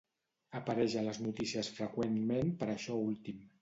Apareix a les notícies freqüentment per això últim.